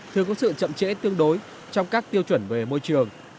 thường có sự chậm trễ tương đối trong các tiêu chuẩn về môi trường